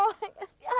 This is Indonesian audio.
nggak ada apa apa